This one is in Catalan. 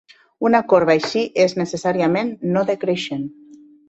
Una corba així és necessàriament no decreixent.